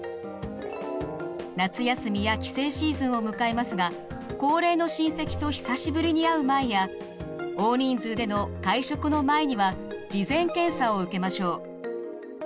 夏休みや帰省シーズンを迎えますが高齢の親戚と久しぶりに会う前や大人数での会食の前には事前検査を受けましょう。